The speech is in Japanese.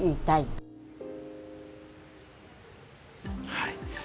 はい。